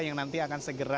yang nanti akan segera